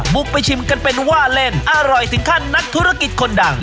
บุกไปชิมกันเป็นว่าเล่นอร่อยถึงขั้นนักธุรกิจคนดัง